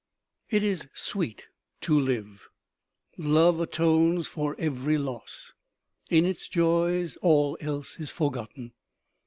IT is sweet to live. Love atones for every loss ; in its joys all else is forgotten.